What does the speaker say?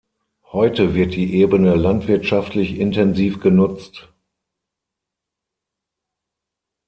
Heute wird die Ebene landwirtschaftlich intensiv genutzt.